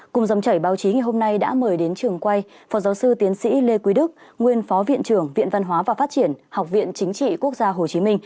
cùng dòng trẻ báo chí ngày hôm nay đã mời đến trường quay phó giáo sư tiến sĩ lê quý đức nguyên phó viện trưởng viện văn hóa và phát triển học viện chính trị quốc gia tp hcm